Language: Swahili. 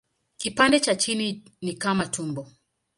Kipande cha chini ni kama tumbo.